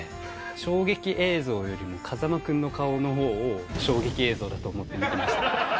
衝撃映像よりも、風間君の顔のほうを衝撃映像だと思って見てました。